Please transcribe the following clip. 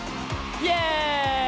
イエーイ。